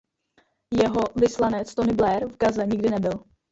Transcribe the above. Jeho vyslanec Tony Blair v Gaze nikdy nebyl.